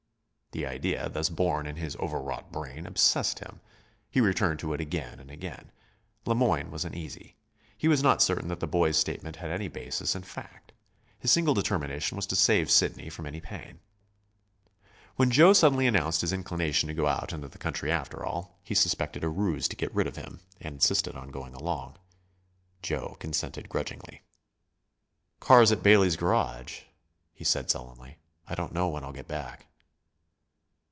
The idea, thus born in his overwrought brain, obsessed him. He returned to it again and again. Le Moyne was uneasy. He was not certain that the boy's statement had any basis in fact. His single determination was to save Sidney from any pain. When Joe suddenly announced his inclination to go out into the country after all, he suspected a ruse to get rid of him, and insisted on going along. Joe consented grudgingly. "Car's at Bailey's garage," he said sullenly. "I don't know when I'll get back."